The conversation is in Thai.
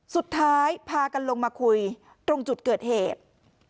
สุดท้ายพากันลงมาคุยตรงจุดเกิดเหตุ